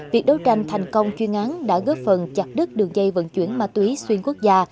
việc đấu tranh thành công chuyên án đã góp phần chặt đứt đường dây vận chuyển ma túy xuyên quốc gia